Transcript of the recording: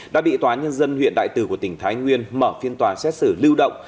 đã bị tòa nhân dân huyện đại từ của tỉnh thái nguyên mở phiên tòa xét xử lưu động